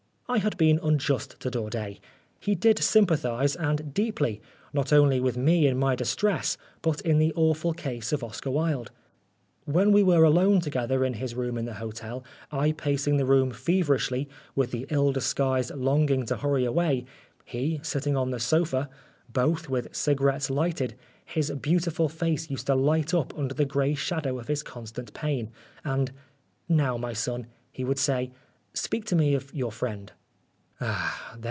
I had been unjust to Daudet. He did sympathise, and deeply, not only with me in my distress, but in the awful case of Oscar Wilde. When we were alone together in his room in the hotel, I pacing the room feverishly, with the ill disguised longing to hurry away, he, sitting on the sofa, both with cigarettes lighted, his beautiful face used to light up under the grey shadow of his constant pain ; and, "Now, my son/' he would say, " speak to me of your friend."